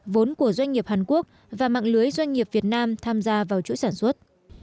vốn của doanh nghiệp hàn quốc và mạng lưới doanh nghiệp việt nam tham gia vào chuỗi sản xuất